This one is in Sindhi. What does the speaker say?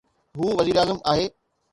هو وزيراعظم آهي.